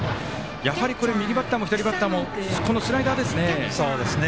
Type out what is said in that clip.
やはり右バッターも左バッターもこのスライダーですね。